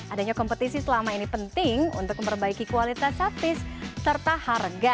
adanya kompetisi selama ini penting untuk memperbaiki kualitas satis serta harga